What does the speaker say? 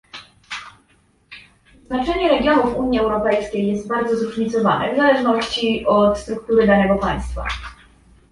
Znaczenie regionów Unii Europejskiej jest bardzo zróżnicowane w zależności od struktury danego państwa